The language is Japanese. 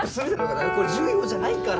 これ重要じゃないから！